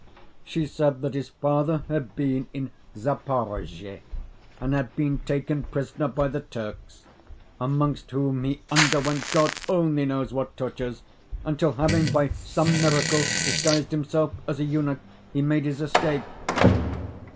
She said that his father had been in Zaporozhe, and had been taken prisoner by the Turks, amongst whom he underwent God only knows what tortures, until having, by some miracle, disguised himself as a eunuch, he made his escape.